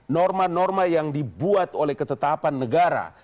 norma norma yang dibuat oleh ketetapan negara